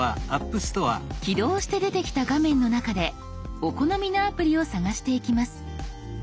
起動して出てきた画面の中でお好みのアプリを探していきます。